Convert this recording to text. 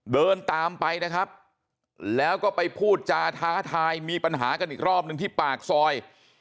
เดินตามไปนะครับแล้วก็ไปพูดจาท้าทายมีปัญหากันอีกรอบหนึ่งที่ปากซอย